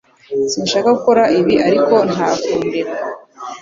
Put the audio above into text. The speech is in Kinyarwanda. Sinshaka gukora ibi ariko nta kundeka